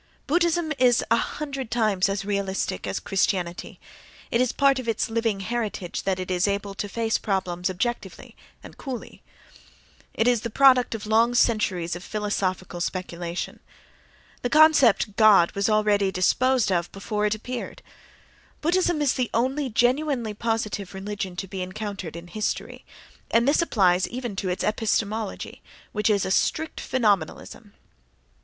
—Buddhism is a hundred times as realistic as Christianity—it is part of its living heritage that it is able to face problems objectively and coolly; it is the product of long centuries of philosophical speculation. The concept, "god," was already disposed of before it appeared. Buddhism is the only genuinely positive religion to be encountered in history, and this applies even to its epistemology (which is a strict phenomenalism).